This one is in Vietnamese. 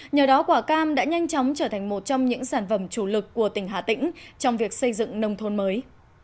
nhờ đó quả cam đã nhanh chóng trở thành một trong những sản phẩm chủ lực của tỉnh hà tĩnh trong việc xây dựng nông thôn mới